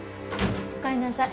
おかえりなさい。